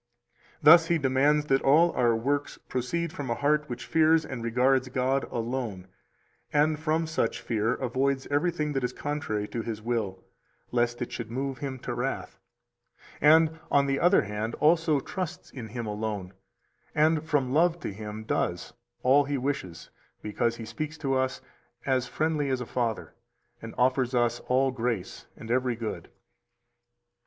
Thus He demands that all our works proceed from a heart which fears and regards God alone, and from such fear avoids everything that is contrary to His will, lest it should move Him to wrath; and, on the other hand, also trusts in Him alone and from love to Him does all He wishes, because he speaks to us as friendly as a father, and offers us all grace and every good.